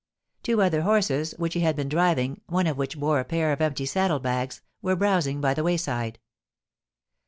Two other horses which he had been driving, one of which bore a pair of empty saddle bags, were browsing by the wayside.